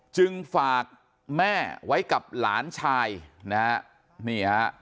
จึงฝากแม่ไว้กับหลานชายนะฮะนี่ฮะ